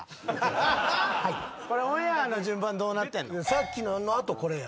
さっきのの後これや。